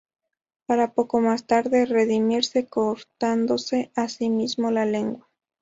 Para poco más tarde redimirse cortándose a sí mismo la lengua.